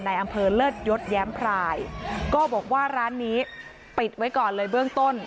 ในอำเภอเลิศยศแย้มพรายก็บอกว่าร้านนี้ปิดไว้ก่อนเลยเบื้องต้น